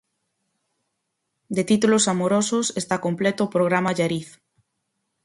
De títulos amorosos está completo o programa Allariz.